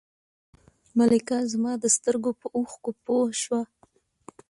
ملکه زما د سترګو په اوښکو پوه شوه.